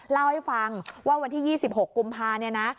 เล่าให้ฟังว่าวันที่๒๖กุมภาพ